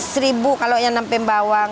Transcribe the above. seribu kalau yang nampe bawang